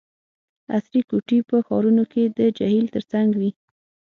عصري کوټي په ښارونو کې د جهیل ترڅنګ وي